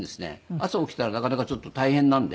朝起きたらなかなかちょっと大変なんで。